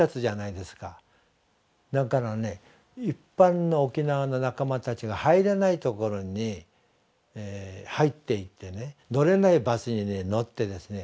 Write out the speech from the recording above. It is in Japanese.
一般の沖縄の仲間たちが入れないところに入っていって乗れないバスに乗ってですね